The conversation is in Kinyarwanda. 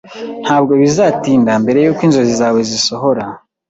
Ntabwo bizatinda mbere yuko inzozi zawe zisohora.